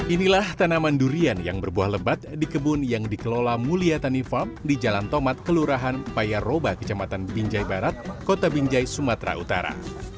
inilah tanaman durian yang berbuah lebat di kebun yang dikelola mulia tani farm di jalan tomat kelurahan payaroba kecamatan binjai barat kota binjai sumatera utara